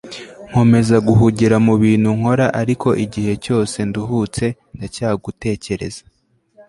nkomeza guhugira mu bintu nkora ariko igihe cyose nduhutse, ndacyagutekereza